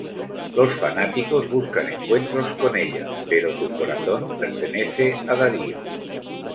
Los fanáticos buscan encuentros con ella, pero su corazón pertenece a Darío.